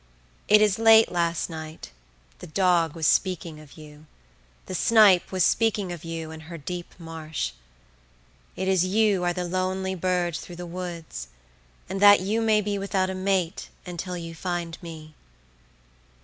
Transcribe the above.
It is late last night the dog was speaking of you; the snipe was speaking of you in her deep marsh. It is you are the lonely bird through the woods; and that you may be without a mate until you find me.